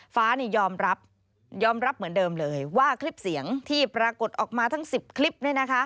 ฟ้ายอมรับเหมือนเดิมเลยว่าคลิปเสียงที่ปรากฏออกมาทั้ง๑๐คลิป